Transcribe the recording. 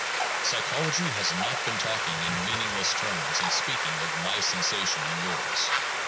Psychology has not been talking in meaningless terms in speaking of my sensation and yours.